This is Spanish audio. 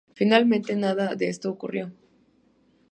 Finalmente, nada de esto ocurrió.